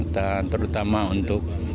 dan terutama untuk